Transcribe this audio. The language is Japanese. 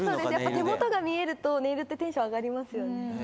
手元が見えるとネイルってテンション上がりますよね。